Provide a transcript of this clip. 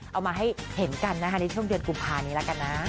เอามาให้เห็นกันนะคะในช่วงเดือนกุมภานี้แล้วกันนะ